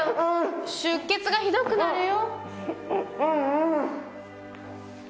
出血がひどくなるよ。